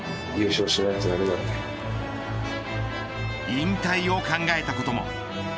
引退を考えたことも。